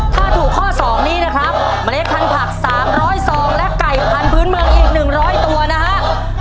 ถ้าถูกข้อ๒นี้นะครับเมล็ดพันธุ์๓๐ซองและไก่พันธุ์เมืองอีก๑๐๐ตัวนะฮะ